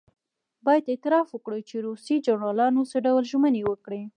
باید اعتراف وکړو چې روسي جنرالانو څه ډول ژمنې وکړې.